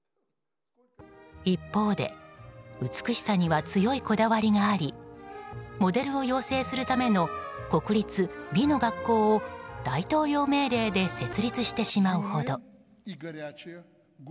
一方で、美しさには強いこだわりがありモデルを養成するための国立美の学校を大統領命令で設立してしまうほど。